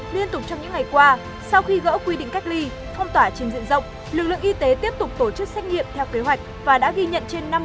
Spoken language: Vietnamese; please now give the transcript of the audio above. liên tục trong những ngày qua sau khi gỡ quy định cách ly phong tỏa trên diện rộng lực lượng y tế tiếp tục tổ chức xét nghiệm theo kế hoạch